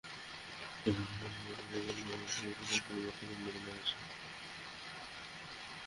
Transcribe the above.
আবার একেক অপরাধের জন্য একেক আইনে শাস্তির মাত্রাও ভিন্ন ভিন্ন হয়েছে।